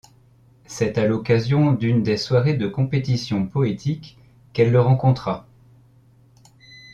C’est à l’occasion d’une des soirées de compétitions poétiques qu’elle le rencontra.